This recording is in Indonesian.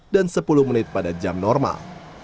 dan sepuluh menit pada jam normal